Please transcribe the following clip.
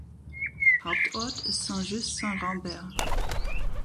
Hauptort ist Saint-Just-Saint-Rambert.